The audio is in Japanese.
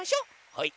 はい！